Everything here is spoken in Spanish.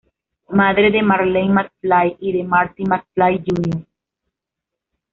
Madre de Marlene McFly y de Marty McFly Jr.